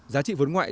giá trị vốn ngoại